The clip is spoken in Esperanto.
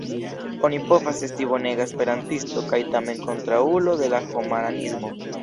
Oni povas esti bonega Esperantisto kaj tamen kontraŭulo de la homaranismo.